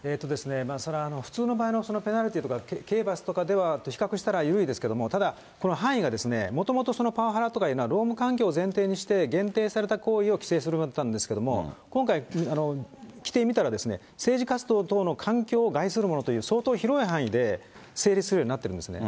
それは普通の場合のペナルティーとか刑罰とかと比較したら緩いですけれども、ただ、この範囲がもともとパワハラとかというのは、労務環境を前提にして、限定された行為を規制するわけだったんですけど、今回、規定見たら、政治活動等の環境を害するものという、相当広い範囲で、成立するようになってるんですね。